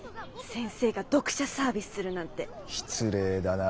先生が読者サービスするなんて。失礼だな。